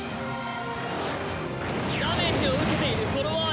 ダメージを受けているフォロワー